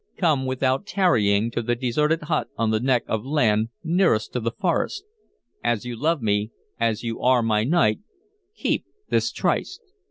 Come without tarrying to the deserted hut on the neck of land, nearest to the forest. As you love me, as you are my knight, keep this tryst.